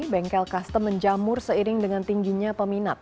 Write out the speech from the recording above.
bengkel custom menjamur seiring dengan tingginya peminat